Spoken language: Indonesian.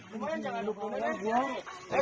hai jangan lupa ya hai